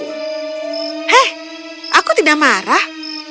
hei aku tidak marah